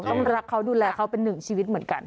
ต้องรักเขาดูแลเขาเป็นหนึ่งชีวิตเหมือนกัน